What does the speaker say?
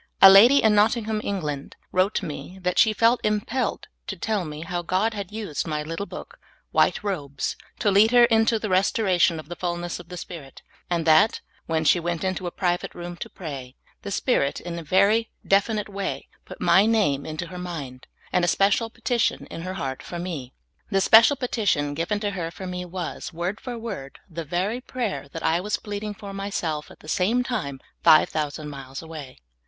A lady in Nottingham, England, wTote me that she felt impelled to tell me how God had used my little book, ''White Robes," to lead her into the restoration of the fullness of the Spirit, and that, when she went into a private room to pray, the Spirit, in a very defi SOME STRIKING INCIDENTS. Ill nite way, put lu} name into her mind, and a special pe tition in her heart for me. This special petition given to her for me was, w^ord for word, the very prayer that I was pleading for myself at the same time, five thou sand miles away.